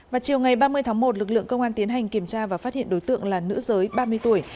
vào chiều ngày ba mươi tháng một lực lượng công an tiến hành kiểm tra và phát hiện đối tượng là nữ giới ba mươi tuổi